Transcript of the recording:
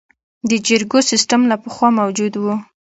د جرګو سیسټم له پخوا موجود و